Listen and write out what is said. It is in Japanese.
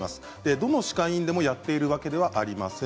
どの歯科医院でもやっているわけではありません。